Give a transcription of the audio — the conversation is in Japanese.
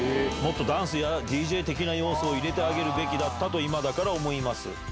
もっとダンスやＤＪ的な要素を入れてあげるべきだったと今だから思います。